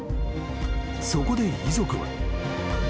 ［そこで遺族は］